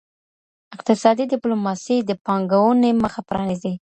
اقتصادي ډیپلوماسي د پانګوني مخه پرانیزي.